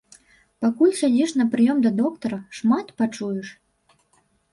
Пакуль сядзіш на прыём да доктара, шмат пачуеш!